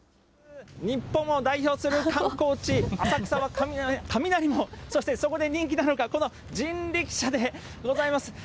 日本を代表する観光地、浅草の雷門、そしてそこで人気なのが、この人力車でございます。